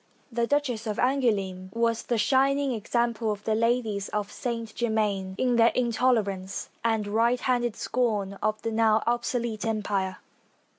The Duchess of Angouleme was the shining example of the ladies of Saint Germain in their intolerance and high handed scorn of the now obsolete Empire.